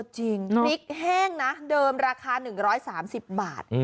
พริกแห้งนะเดิมราคา๑๓๐บาท